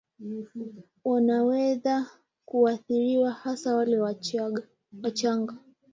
wanaweza kuathiriwa hasa wale wachanga